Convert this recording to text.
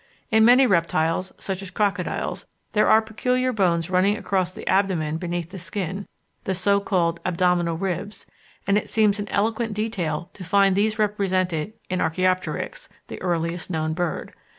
In many reptiles, such as Crocodiles, there are peculiar bones running across the abdomen beneath the skin, the so called "abdominal ribs," and it seems an eloquent detail to find these represented in Archæopteryx, the earliest known bird.